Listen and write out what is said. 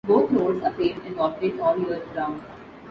Both roads are paved and operate all year round.